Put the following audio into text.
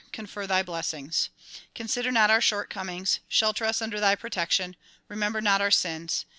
confer thy blessings. Consider not our shortcomings. Shelter us under thy protection. Remember not our sins.